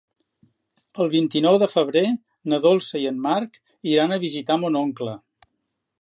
El vint-i-nou de febrer na Dolça i en Marc iran a visitar mon oncle.